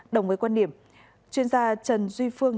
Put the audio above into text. đồng với quan điểm chuyên gia trần duy phương